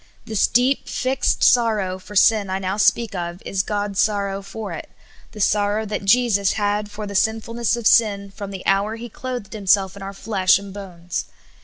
This deep, fixed sorrow for sin I now speak of is God's sorrow for it — the sorrow that Jesus had for the sinfulness of sin, from the hour He clothed Himself in our flesh and bones.